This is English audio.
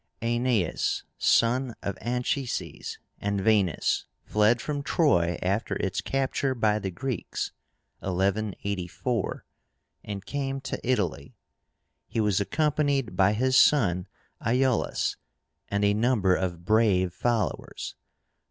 AENEAS, son of Anchíses and Venus, fled from Troy after its capture by the Greeks (1184?) and came to Italy. He was accompanied by his son IÚLUS and a number of brave followers.